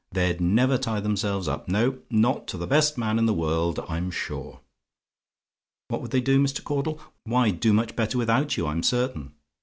They'd never tie themselves up, no, not to the best man in the world, I'm sure. "WHAT WOULD THEY DO, MR. CAUDLE? "Why, do much better without you, I'm certain.